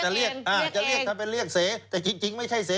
จะเรียกถ้าเป็นเรียกเสแต่จริงไม่ใช่เส